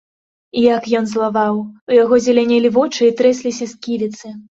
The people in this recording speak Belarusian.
Як ён злаваў, у яго зелянелі вочы і трэсліся сківіцы!